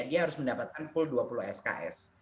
dia harus mendapatkan full dua puluh sks